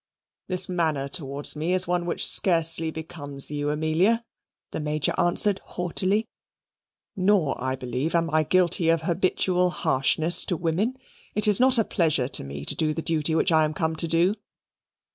"This manner towards me is one which scarcely becomes you, Amelia," the Major answered haughtily; "nor I believe am I guilty of habitual harshness to women. It is not a pleasure to me to do the duty which I am come to do."